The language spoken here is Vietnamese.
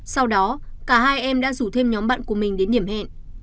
sau đó cả hai em đã rủ thêm nhóm bạn của mình đến điểm hẹn